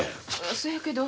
そやけど。